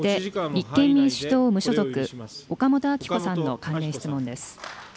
続いて立憲民主党・無所属、岡本あき子さんの関連質問です。